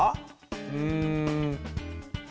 うん。